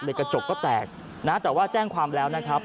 กระจกก็แตกนะแต่ว่าแจ้งความแล้วนะครับ